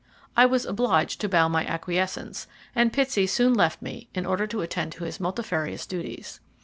I was obliged to bow my acquiescence, and Pitsey soon left me in order to attend to his multifarious duties.